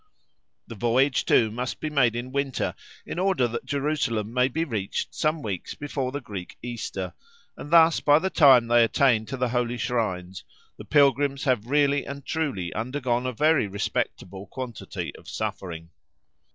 The voyage too must be made in winter, in order that Jerusalem may be reached some weeks before the Greek Easter, and thus by the time they attain to the holy shrines the pilgrims have really and truly undergone a very respectable quantity of suffering.